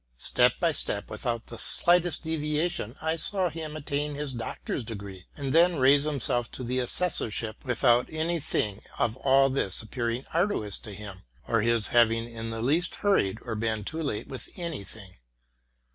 Step by step, without the slightest deviation, I saw him attain his doctor's degree, and then raise himself to the assessorship, without any thing of all this appearing arduous to him, or his having in the least hurried or been too late with any thing.